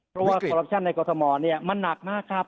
เพราะว่าคอรัปชั่นในกรทมมันหนักมากครับ